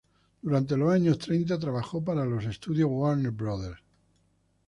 Durante los años treinta trabajó para los estudios Warner Brothers.